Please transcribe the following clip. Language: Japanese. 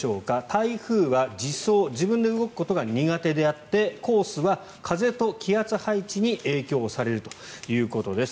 台風は自走、自分で動くことが苦手であってコースは風と気圧配置に影響されるということです。